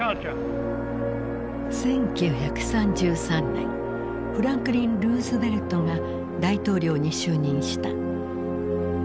１９３３年フランクリン・ルーズベルトが大統領に就任した。